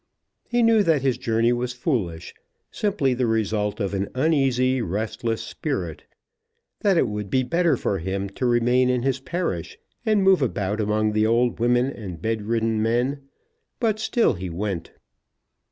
He knew that his journey was foolish, simply the result of an uneasy, restless spirit, that it would be better for him to remain in his parish and move about among the old women and bed ridden men; but still he went.